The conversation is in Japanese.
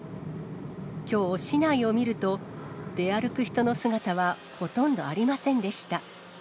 きょう、市内を見ると、出歩く人の姿はほとんどありませんでした。